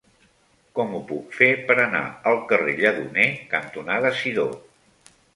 Com ho puc fer per anar al carrer Lledoner cantonada Sidó?